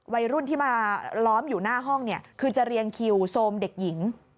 วัยรุ่นที่มาล้อมอยู่หน้าห้องเนี่ยคือจะเรียงคิวโซมเด็กหญิง